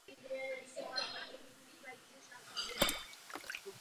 Vybudování vztahů s Evropskou unií není jednorázovou záležitostí.